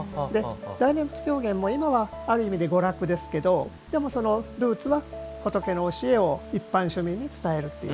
大念仏狂言も今はある意味で娯楽ですけどでも、そのルーツは仏の教えを一般庶民に伝えるという。